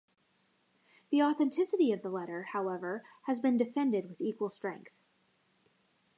The authenticity of the letter, however, has been defended with equal strength.